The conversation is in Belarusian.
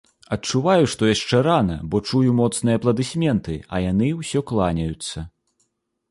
Адчуваю, што яшчэ рана, бо чую моцныя апладысменты, а яны ўсё кланяюцца.